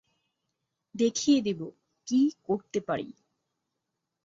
দেখিয়ে দেব কী করতে পারি।